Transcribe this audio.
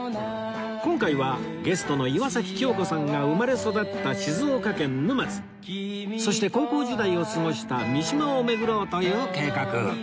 今回はゲストの岩崎恭子さんが生まれ育った静岡県沼津そして高校時代を過ごした三島を巡ろうという計画